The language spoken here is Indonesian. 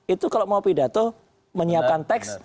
itu kalau mau pidato menyiapkan teks